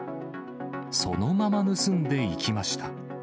そのまま盗んでいきました。